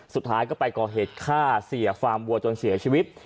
สุดท้ายก็ไปก่อเหตุฆ่าเสียฟาร์มวัวจนเสียชีวิต